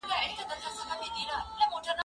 زه اجازه لرم چي موبایل کار کړم